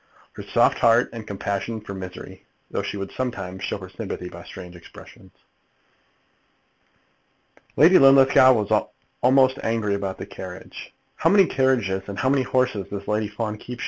Her soft heart had compassion for misery, though she would sometimes show her sympathy by strange expressions. Lady Linlithgow was almost angry about the carriage. "How many carriages and how many horses does Lady Fawn keep?"